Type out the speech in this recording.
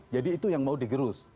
jadi itu yang mau digerus